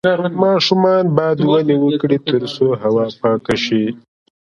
ماشومان باید ونې وکرې ترڅو هوا پاکه شي.